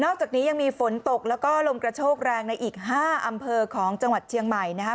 จากนี้ยังมีฝนตกแล้วก็ลมกระโชกแรงในอีก๕อำเภอของจังหวัดเชียงใหม่นะครับ